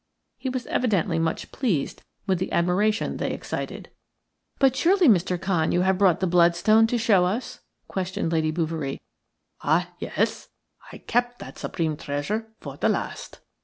He was evidently much pleased with the admiration they excited. "But surely, Mr. Khan, you have brought the bloodstone to show us?" questioned Lady Bouverie. "Ah, yes. I kept that supreme treasure for the last."